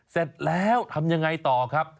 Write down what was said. เสร็จแล้วทำยังไงต่อครับ